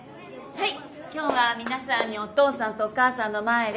はい。